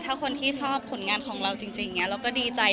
ถ้าคนที่ชอบผลงานของเราจริงอย่างนี้เราก็ดีใจ